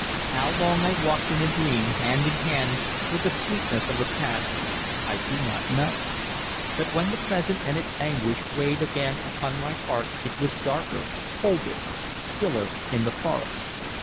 How long I walked in a dream, hand in hand with the sweetness of the past, I do not know; but when the present and its anguish weighed again upon my heart it was darker, colder, stiller, in the forest.